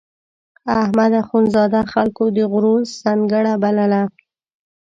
احمد اخوندزاده خلکو د غرو سنګړه بلله.